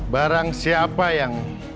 barang siapa yang